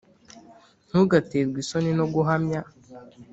ntugaterwe isoni no guhamya